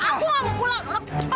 diam kamu dong